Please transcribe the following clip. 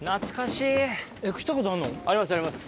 ありますあります。